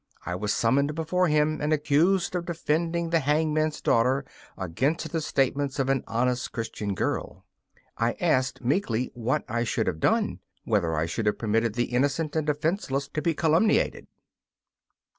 I was summoned before him and accused of defending the hangman's daughter against the statements of an honest Christian girl. I asked, meekly, what I should have done whether I should have permitted the innocent and defenceless to be calumniated.